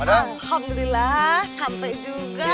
alhamdulillah sampai juga